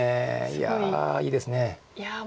いやいいですね。